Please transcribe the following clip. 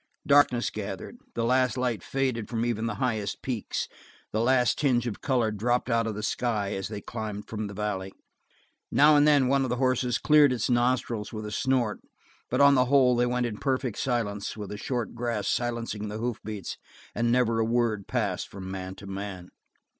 Darkness gathered; the last light faded from even the highest peaks; the last tinge of color dropped out of the sky as they climbed from the valley. Now and then one of the horses cleared its nostrils with a snort, but on the whole they went in perfect silence with the short grass silencing the hoofbeats, and never a word passed from man to man.